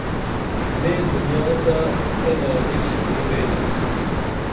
میں دنیا تہ کیہ لالچ نی ویلہ